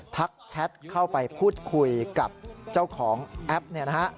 ทักแชทเข้าไปพูดคุยกับเจ้าของแอปนี้นะครับ